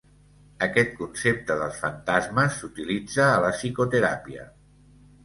Aquest concepte dels fantasmes s'utilitza a la psicoteràpia.